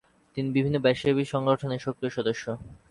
তিনি বিভিন্ন পেশাজীবী সংগঠনের সক্রিয় সদস্য।